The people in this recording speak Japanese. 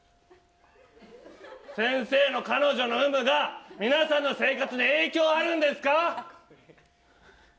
先生の彼女の有無が皆さんの生活に影響あるんですか？